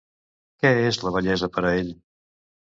Què és la bellesa per a ell?